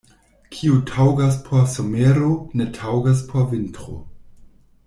Kio taŭgas por somero, ne taŭgas por vintro.